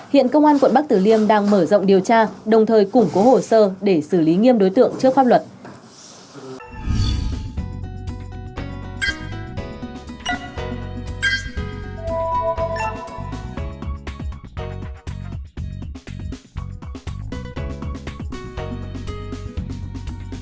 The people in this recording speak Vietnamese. hiện công an quận bắc tử liêm đang mở rộng điều tra đồng thời củng cố hồ sơ để xử lý nghiêm đối tượng trước pháp luật